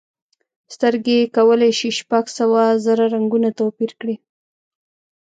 سترګې کولی شي شپږ سوه زره رنګونه توپیر کړي.